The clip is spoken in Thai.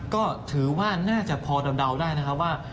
ก็ถือว่าน่าจะพอเดาได้นะครับว่า